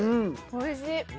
おいしい。